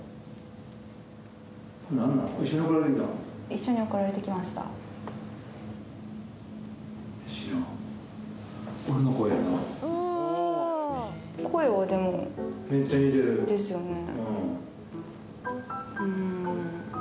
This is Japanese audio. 一緒に送られてきましたですよね